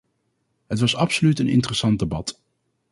Het was absoluut een interessant debat.